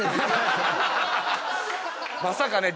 まさかね。